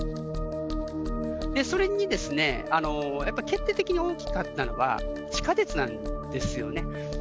それに、やっぱ決定的に大きかったのが地下鉄なんですよね。